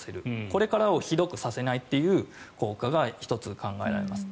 これからをひどくさせないという効果が１つ考えられます。